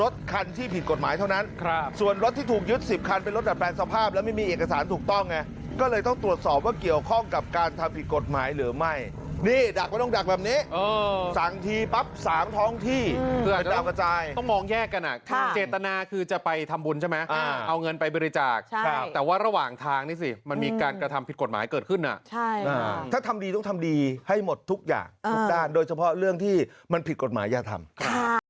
สั่งทีปั๊บสามท้องที่เป็นดาวกระจายต้องมองแยกกันอ่ะค่ะเจตนาคือจะไปทำบุญใช่ไหมอ่าเอาเงินไปบริจาคใช่ครับแต่ว่าระหว่างทางนี่สิมันมีการกระทำผิดกฎหมายเกิดขึ้นอ่ะใช่ค่ะถ้าทำดีต้องทำดีให้หมดทุกอย่างทุกด้านโดยเฉพาะเรื่องที่มันผิดกฎหมายยากทำค่ะ